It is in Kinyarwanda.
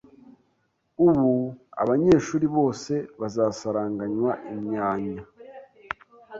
ubu abanyeshuri bose bazasaranganywa imyanya